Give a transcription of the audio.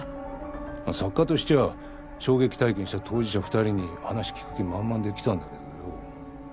作家としちゃあ衝撃体験した当事者２人に話聞く気満々で来たんだけどよ。